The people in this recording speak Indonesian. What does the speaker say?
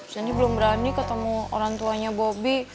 sindi belum berani ketemu orang tuanya bobi